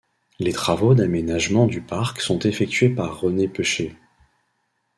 Les travaux d'aménagement du parc sont effectués par René Pecher.